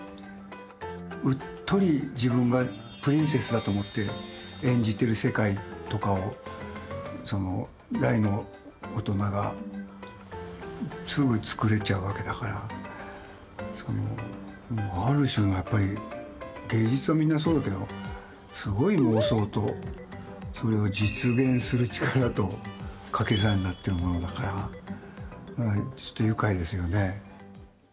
だって、あんなさ作ってるものとか見たらなんか大の大人がすぐ作れちゃうわけだからある種のやっぱり芸術は、みんなそうだけどすごい妄想とそれを実現する力とかけ算になってるものだから愉快ですよね。